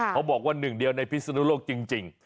เขาบอกว่าหนึ่งเดียวในพิศนุโลกจริง